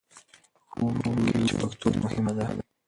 ښوونکي وویل چې پښتو مهمه ده.